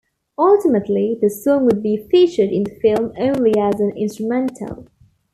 Ultimately, the song would be featured in the film only as an instrumental.